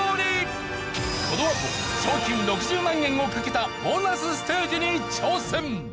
このあと賞金６０万円を懸けたボーナスステージに挑戦！